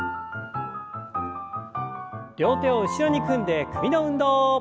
両手を後ろに組んで首の運動。